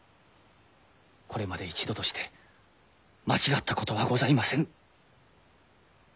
これまで一度として間違ったことはございませぬ。